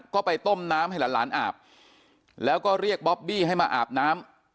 ก็ไปต้มน้ำให้หลานอาบแล้วก็เรียกบอบบี้ให้มาอาบน้ำ